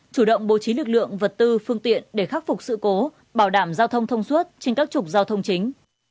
chủ động bố trí lực lượng vật tư phương tiện để khắc phục sự cố bảo đảm giao thông thông suốt trên các trục giao thông chính